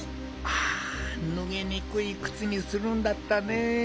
あぬげにくいくつにするんだったね。